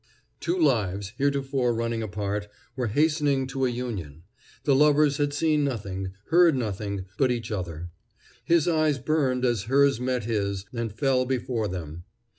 Two lives, heretofore running apart, were hastening to a union. The lovers had seen nothing, heard nothing but each other. His eyes burned as hers met his and fell before them.